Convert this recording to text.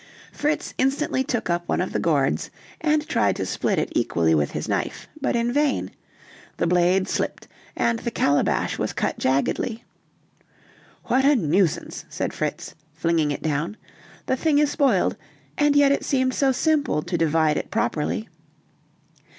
Fritz instantly took up one of the gourds, and tried to split it equally with his knife, but in vain: the blade slipped, and the calabash was cut jaggedly. "What a nuisance!" said Fritz, flinging it down, "the thing is spoiled; and yet it seemed so simple to divide it properly."